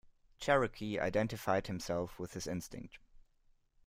Cherokee identified himself with his instinct.